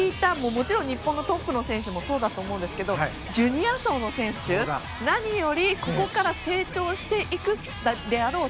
もちろん日本のトップの選手もそうだと思うんですけどジュニア層の選手、何よりここから成長していくだろう